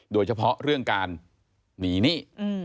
โดยเฉพาะเรื่องการหนีหนี้